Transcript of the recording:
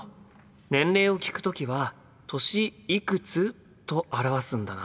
年齢を聞く時は「歳いくつ？」と表すんだな。